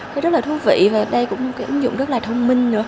cái ứng dụng rất là thông minh